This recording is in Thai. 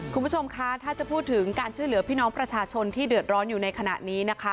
คุณผู้ชมคะถ้าจะพูดถึงการช่วยเหลือพี่น้องประชาชนที่เดือดร้อนอยู่ในขณะนี้นะคะ